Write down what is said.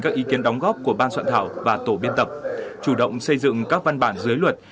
các ý kiến đóng góp của ban soạn thảo và tổ biên tập chủ động xây dựng các văn bản dưới luật